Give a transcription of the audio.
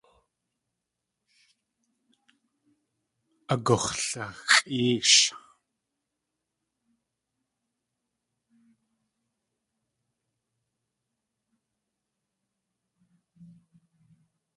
Agux̲laxʼéesh.